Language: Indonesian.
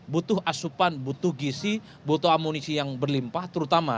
butuh asupan butuh gisi butuh amunisi yang berlimpah terutama